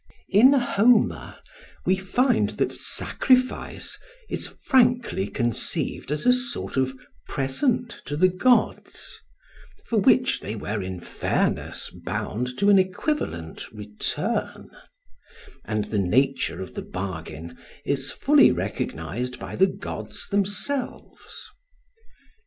In Homer, we find that sacrifice is frankly conceived as a sort of present to the gods, for which they were in fairness bound to an equivalent return; and the nature of the bargain is fully recognised by the gods themselves.